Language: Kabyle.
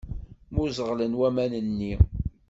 Mmuẓeɣlen waman-nni.